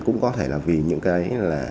cũng có thể là vì những cái